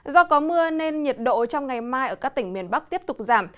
do có mưa nên nhiệt độ trong ngày mai ở các tỉnh miền bắc tiếp tục giảm